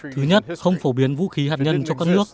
thứ nhất không phổ biến vũ khí hạt nhân cho các nước